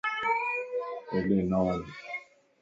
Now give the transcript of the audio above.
ھيڏي نھ وڃ